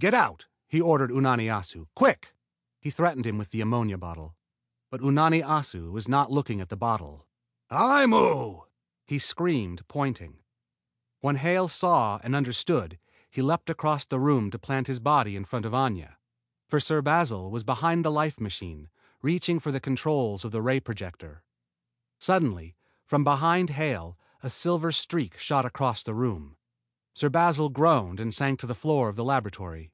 "Get out!" he ordered Unani Assu. "Quick!" He threatened him with the ammonia bottle. But Unani Assu was not looking at the bottle. "Aimu!" he screamed, pointing. When Hale saw and understood, he leaped across the room to plant his body in front of Aña; for Sir Basil was behind the life machine, reaching for the controls of the ray projector. Suddenly, from behind Hale, a silver streak shot across the room. Sir Basil groaned and sank to the floor of the laboratory.